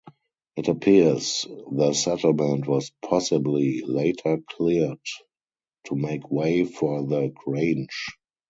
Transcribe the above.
It appears the settlement was possibly later cleared to make way for the grange.